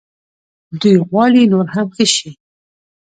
دوی غواړي نور هم ښه شي.